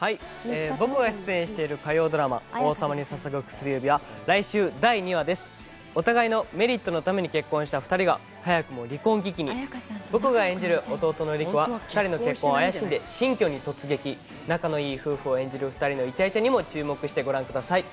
僕が出演している火曜ドラマ「王様に捧ぐ薬指」は来週第２話ですお互いのメリットのために結婚した２人が早くも離婚危機に僕が演じる弟の陸は２人の結婚を怪しんで新居に突撃仲のいい夫婦を演じる２人のイチャイチャにも注目してご覧ください